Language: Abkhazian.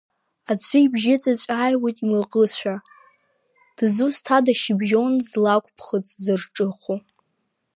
Аӡәы ибжьы ҵәыҵә ааҩуеит имаӷышха, дызусҭа шьыбжьон слакә ԥхыӡ зырҿыхо?